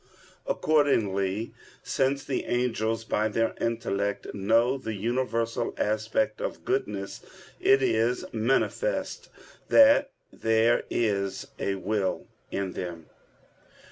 Accordingly, since the angels by their intellect know the universal aspect of goodness, it is manifest that there is a will in them.